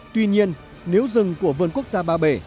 tuy nhiên nếu rừng của vườn quốc gia ba bể